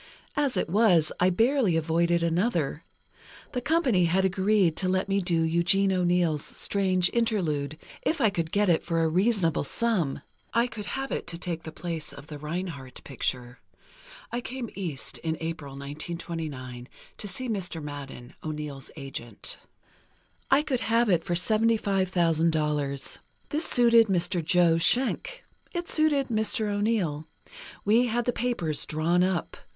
As it was, I barely avoided another: The company had agreed to let me do Eugene O'Neill's 'Strange Interlude,' if I could get it for a reasonable sum—I could have it to take the place of the Reinhardt picture. I came East in April (1929), to see Mr. Madden, O'Neill's agent. I could have it for $75,000. This suited Mr. Joe Schenck. It suited Mr. O'Neill. We had the papers drawn up.